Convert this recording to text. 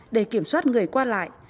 để kiểm soát người qua lại